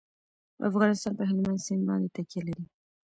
افغانستان په هلمند سیند باندې تکیه لري.